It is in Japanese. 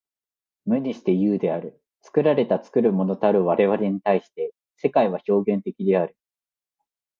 無にして有である。作られて作るものたる我々に対して、世界は表現的である。